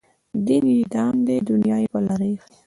دین یې دام دی د دنیا په لاره ایښی.